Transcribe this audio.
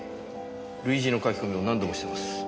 類似の書き込みを何度もしてます。